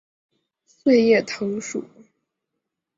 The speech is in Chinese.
穗叶藤属。